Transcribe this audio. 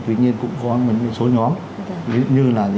tuy nhiên cũng có một số nhóm như là